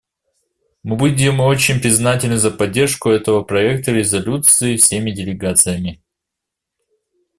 Мы будем очень признательны за поддержку этого проекта резолюции всеми делегациями.